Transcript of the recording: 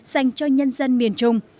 dành cho nhân dân miền trung